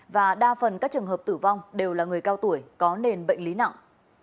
và đa phần các trường hợp tử vong đều là người cao tuổi có nền bệnh lý nặng